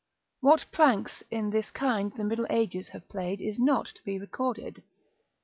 What pranks in this kind the middle ages have played is not to be recorded.